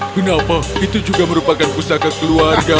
kenapa itu juga merupakan pusaka keluarga